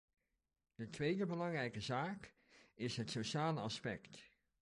De tweede belangrijke zaak is het sociaal aspect.